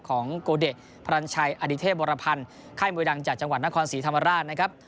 ของโกเดะพรรณชัยอดิเทพวรพันธ์ค่ายมวยดังจากจังหวัดนครศรีธรรมราชนะครับ